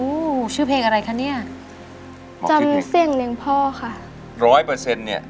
ชื่อเพลงอะไรคะเนี้ยจำเสี่ยงเลี้ยงพ่อค่ะร้อยเปอร์เซ็นต์เนี่ย